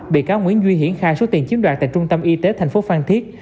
bị cáo nguyễn duy hiển khai số tiền chiếm đoạt tại trung tâm y tế thành phố phan thiết